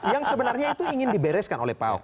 yang sebenarnya itu ingin dibereskan oleh pak ahok